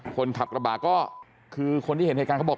คนขับกระบะก็คือคนที่เห็นเหตุการณ์เขาบอก